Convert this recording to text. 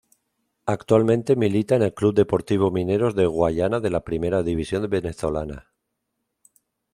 Actualmente milita en el Club Deportivo Mineros de Guayana de la Primera División Venezolana.